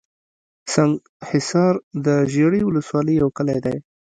سنګحصار دژړۍ ولسوالۍ يٶ کلى دئ